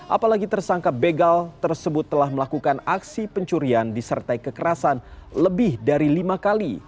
apalagi tersangka begal tersebut telah melakukan aksi pencurian disertai kekerasan lebih dari lima kali